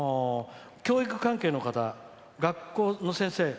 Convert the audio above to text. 教育関係の方、学校の先生